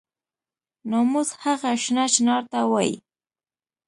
ناموس هغه شنه چنار ته وایي.